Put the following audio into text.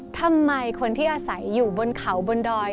ทำไมคนที่อาศัยอยู่บนเขาบนดอย